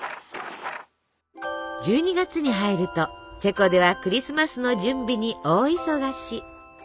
１２月に入るとチェコではクリスマスの準備に大忙し。